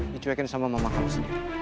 dicuekin sama mama kamu sendiri